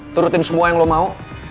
turutin semua yang lo mau